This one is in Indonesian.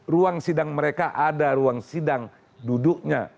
ruang sidang mereka ada ruang sidang duduknya